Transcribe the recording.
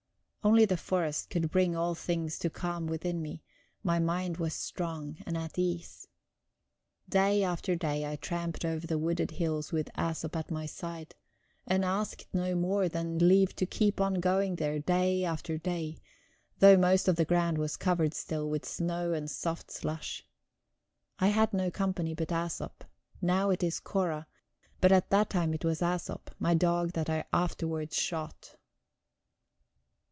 Only the forest could bring all things to calm within me; my mind was strong and at ease. Day after day I tramped over the wooded hills with Æsop at my side, and asked no more than leave to keep on going there day after day, though most of the ground was covered still with snow and soft slush. I had no company but Æsop; now it is Cora, but at that time it was Æsop, my dog that I afterwards shot.